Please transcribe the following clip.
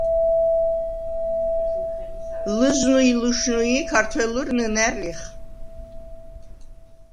ლჷზნუ ი ლუშნუი̄ ქართველურ ნჷნა̈რ ლიხ.